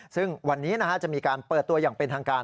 ซึ่งวันนี้จะมีการเปิดตัวอย่างเป็นทางการ